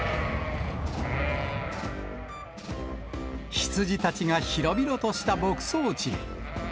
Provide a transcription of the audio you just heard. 羊たちが広々とした牧草地へ。